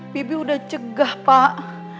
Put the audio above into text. bibi udah cegah pak